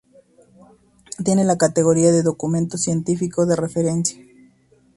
Tiene la categoría de documento científico de referencia.